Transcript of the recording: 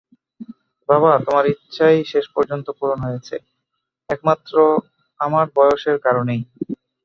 বাবা, তোমার ইচ্ছাই শেষ পর্যন্ত পূরণ হয়েছে একমাত্র আমার বয়সের কারণেই।